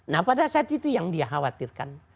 nah pada saat itu yang dikhawatirkan